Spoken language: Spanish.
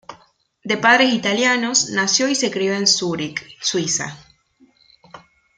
De padres italianos, nació y se crio en Zúrich, Suiza.